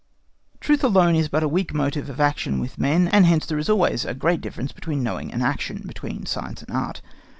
Truth alone is but a weak motive of action with men, and hence there is always a great difference between knowing and action, between science and art.